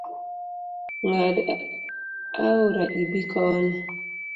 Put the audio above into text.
Ng’ad aora ibi koni.